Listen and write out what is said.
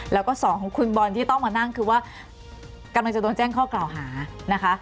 แล้วก็สองของคุณบอลที่ต้องมานั่งคือว่ากำลังจะโดนแจ้งข้อกล่าวหานะคะ